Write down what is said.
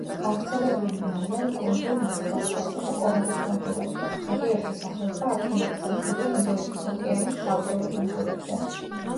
გავრცელებულნი არიან კუნძულ მადაგასკარზე და კომორის კუნძულებზე, ზოგიერთი სახეობა აკლიმატიზებულია ინდოეთის ოკეანის ცალკეულ კუნძულებზე.